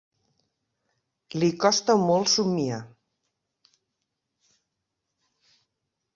Li costa molt somniar.